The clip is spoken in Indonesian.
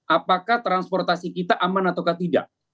apakah transportasi kita aman atau tidak